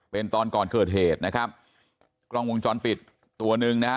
เป็นตอนก่อนเกิดเหตุนะครับกล้องวงจรปิดตัวหนึ่งนะฮะ